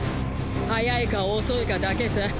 早いか遅いかだけさ。